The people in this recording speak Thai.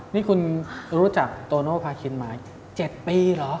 นี่คุณรู้จักโตโน่พาคินมา๗ปีเหรอ